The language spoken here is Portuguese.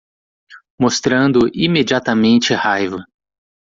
Mostrando imediatamente raiva